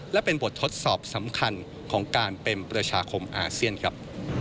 และเป็นบททดสอบสำคัญของการเป็นประชาคมอาเซียนครับ